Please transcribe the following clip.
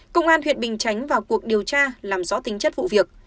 công an huyện bình chánh vào cuộc điều tra làm rõ tính chất vụ việc